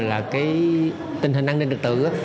cái tình hình an ninh trực tự